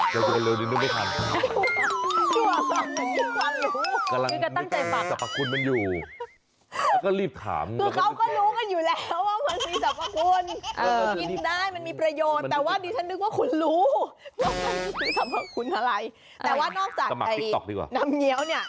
แกงแครก็ได้มั้ย